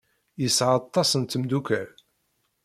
Yesɛa aṭas n tmeddukal.